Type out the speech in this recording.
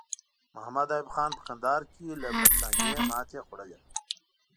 محمد ایوب خان په کندهار کې له برټانیې ماته خوړلې وه.